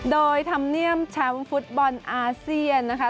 โดยธรรมเนียมแชมป์ฟุตบอลอาเซียนนะคะ